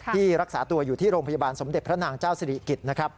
รักษาตัวอยู่ที่โรงพยาบาลสมเด็จพระนางเจ้าสิริกิจนะครับ